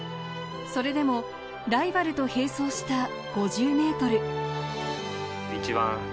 それでもライバルと並走した５０ｍ。